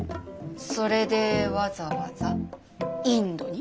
それでわざわざインドに？